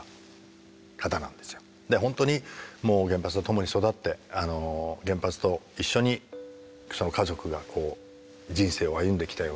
でほんとにもう原発と共に育って原発と一緒にその家族がこう人生を歩んできたような家族なわけですよね。